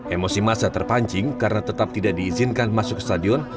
emosi masa terpancing karena tetap tidak diizinkan masuk ke stadion